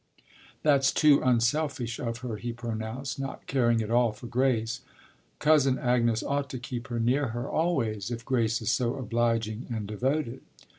"That's too unselfish of her," he pronounced, not caring at all for Grace. "Cousin Agnes ought to keep her near her always, if Grace is so obliging and devoted."